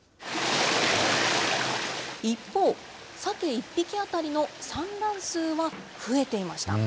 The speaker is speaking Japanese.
一方、サケ１匹当たりの産卵数は増えていました。